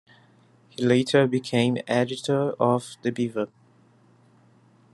He later became editor of "The Beaver".